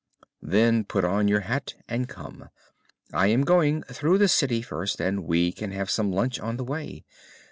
"Then put on your hat and come. I am going through the City first, and we can have some lunch on the way.